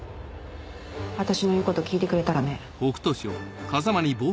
私の言うこと聞いてくれたらね。